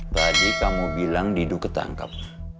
tadi kamu bilang didu ketangkap